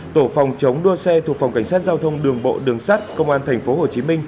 tổ phòng chống đua xe thuộc phòng cảnh sát giao thông đường bộ đường sát công an tp hcm